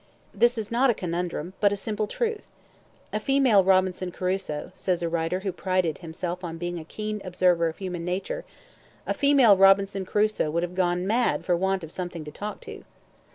This is not a conundrum, but a simple truth. "A female Robinson Crusoe," says a writer who prided himself upon being a keen observer of human nature "a female Robinson Crusoe would have gone mad for want of something to talk to."